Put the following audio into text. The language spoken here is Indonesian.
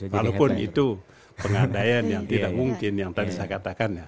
walaupun itu pengandaian yang tidak mungkin yang tadi saya katakan ya